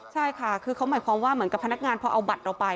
ใช่ค่ะคือเขาหมายความว่าเหมือนกับพนักงานพอเอาบัตรเราไป